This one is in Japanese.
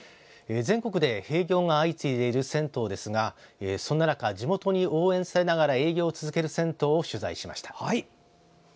全国で閉業が相次いでいる銭湯ですがそんな中、地元に応援されながら営業を続ける銭湯を取材しました。